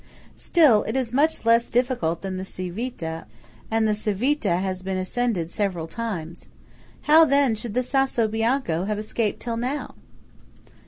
"Still it is much less difficult than the Civita, and the Civita has been ascended several times. How then should the Sasso Bianco have escaped till now?"